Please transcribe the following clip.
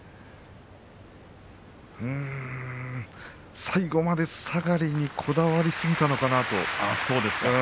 うーん最後までさがりにこだわりすぎたのかなと。